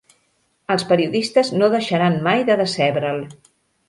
Els periodistes no deixaran mai de decebre'l.